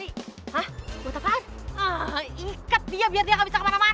ingat dia biar dia nggak bisa kemana mana